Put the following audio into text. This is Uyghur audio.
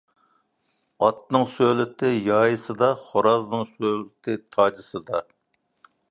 ئاتنىڭ سۆلىتى يايىسىدا، خورازنىڭ سۆلىتى تاجىسىدا.